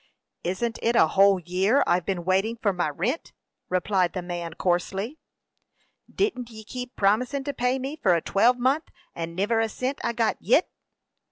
"Isn't it a whole year I've been waiting for my rint?" replied the man, coarsely. "Didn't ye keep promisin' to pay me for a twelvemonth, and niver a cint I got yet?"